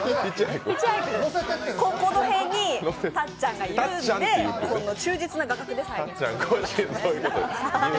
この辺にたっちゃんがいるので、忠実な画角です。